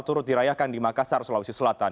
turut dirayakan di makassar sulawesi selatan